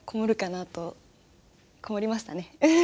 こもりましたねウフフ。